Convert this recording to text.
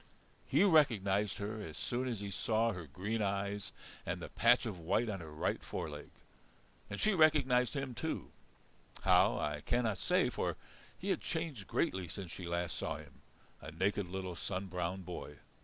He recognized her as soon as he saw her green eyes and the patch of white on her right foreleg. And she recognized him too how I cannot say, for he had changed greatly since she last saw him, a naked little sun browned boy.